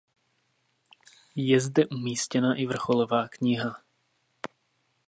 Je zde umístěna i vrcholová kniha.